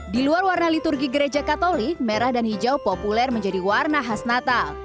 di luar warna liturgi gereja katolik merah dan hijau populer menjadi warna khas natal